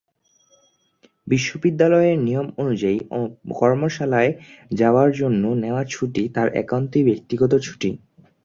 বিশ্ববিদ্যালয়ের নিয়ম অনুযায়ী কর্মশালায় যাওয়ার জন্য নেওয়া ছুটি তাঁর একান্তই ব্যক্তিগত ছুটি।